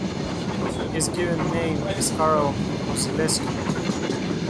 His given name is Carl Mozeleski.